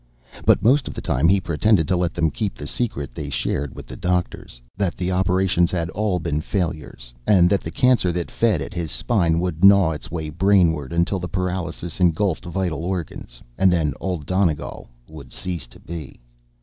But most of the time, he pretended to let them keep the secret they shared with the doctors that the operations had all been failures, and that the cancer that fed at his spine would gnaw its way brainward until the paralysis engulfed vital organs, and then Old Donegal would cease to be.